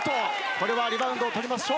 これはリバウンドを取ります笑